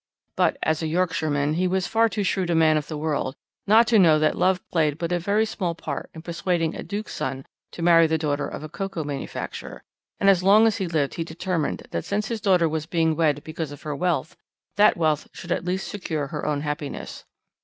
"But, as a Yorkshireman, he was far too shrewd a man of the world not to know that love played but a very small part in persuading a Duke's son to marry the daughter of a cocoa manufacturer, and as long as he lived he determined that since his daughter was being wed because of her wealth, that wealth should at least secure her own happiness.